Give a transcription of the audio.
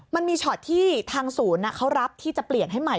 มันมีช็อตที่ทางศูนย์เขารับที่จะเปลี่ยนให้ใหม่